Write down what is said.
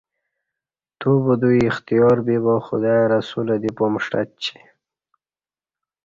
توبدوی اختیار بیا خدا ی رسولہ دی پمݜٹچی